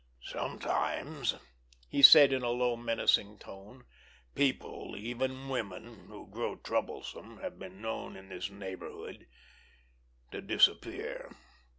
"Sometimes," he said in a low, menacing tone, "people, even women, who grow troublesome, have been known in this neighborhood—to disappear."